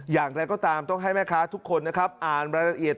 อย่างไรก็ตามต้องให้แม่คะทุกคนอ่านแบรนด์ละเอียด